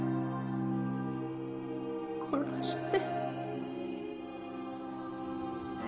殺して。